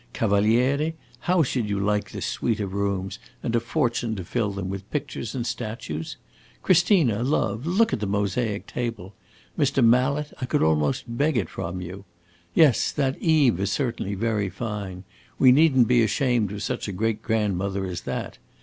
Cavaliere, how should you like this suite of rooms and a fortune to fill them with pictures and statues? Christina, love, look at that mosaic table. Mr. Mallet, I could almost beg it from you. Yes, that Eve is certainly very fine. We need n't be ashamed of such a great grandmother as that.